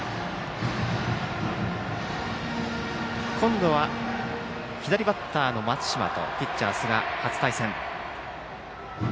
今度は左バッターの松嶋とピッチャー寿賀の初対戦。